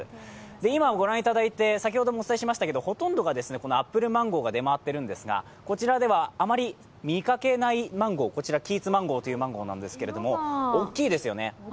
今、ご覧いただいてほとんどがアップルマンゴーが出回っているんですがこちらでは、あまり見かけないマンゴー、キーツマンゴーというマンゴーなんですけど大きいですよね。